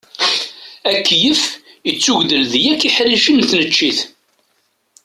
Akeyyef ittugdel di yakk iḥricen n tneččit.